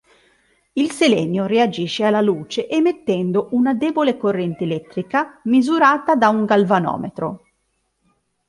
Il selenio reagisce alla luce emettendo una debole corrente elettrica, misurata da un galvanometro.